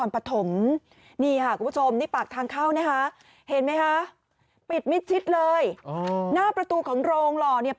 ไปไหน